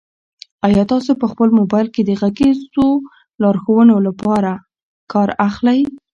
آیا تاسو په خپل موبایل کې د غږیزو لارښوونو څخه کار اخلئ؟